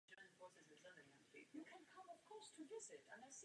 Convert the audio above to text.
Další katastrofy postihly jižní království Gondor.